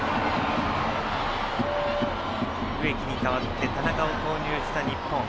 植木に代わって田中を投入した日本。